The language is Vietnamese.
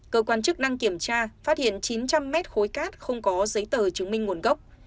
cơ quan chức năng kiểm tra phát hiện chín trăm linh mét khối cát không có giấy tờ chứng minh nguồn gốc